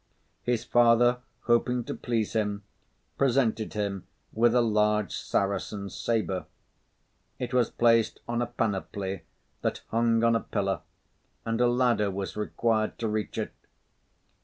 His father, hoping to please him, presented him with a large Saracen sabre. It was placed on a panoply that hung on a pillar, and a ladder was required to reach it.